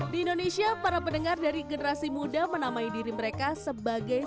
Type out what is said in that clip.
di indonesia para pendengar dari generasi muda menamai diri mereka sebagai